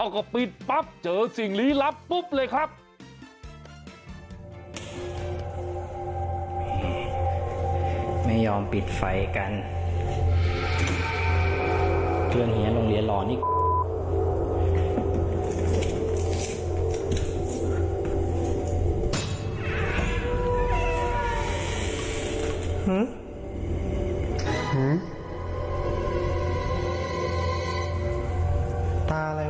คู่กัดสมัครเท่า